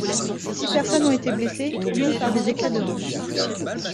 Six personnes ont été blessées, l'une par des éclats de roches.